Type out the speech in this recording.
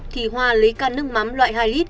thì hoa lấy căn nước mắm loại hai l